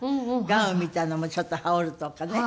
ガウンみたいなものをちょっと羽織るとかね